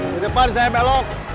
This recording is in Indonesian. di depan saya belok